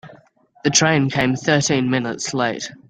The train came thirteen minutes late.